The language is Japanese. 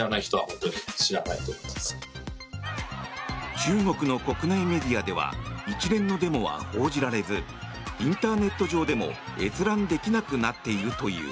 中国の国内メディアでは一連のデモは報じられずインターネット上でも閲覧できなくなっているという。